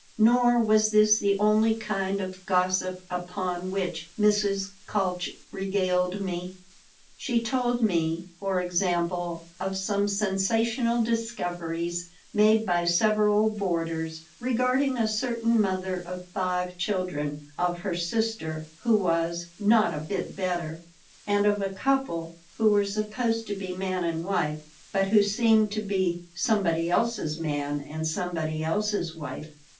Nor was this the only kind of gossip upon which Mrs. Kalch regaled me. She told me, for example, of some sensational discoveries made by several boarders regarding a certain mother of five children, of her sister who was "not a bit better," and of a couple who were supposed to be man and wife, but who seemed to be "somebody else's man and somebody else's wife."